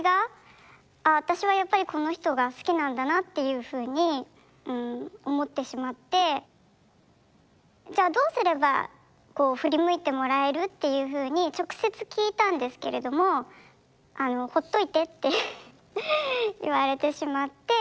私はやっぱりこの人が好きなんだなっていうふうに思ってしまってじゃあどうすればこう振り向いてもらえる？っていうふうに直接聞いたんですけれどもほっといてって言われてしまって。